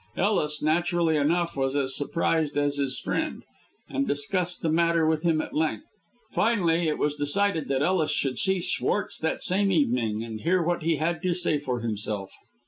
Ellis, naturally enough, was as surprised as his friend, and discussed the matter with him at length. Finally, it was decided that Ellis should see Schwartz that same evening, and hear what he had to say for himself.